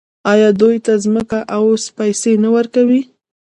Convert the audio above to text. آیا دوی ته ځمکه او پیسې نه ورکوي؟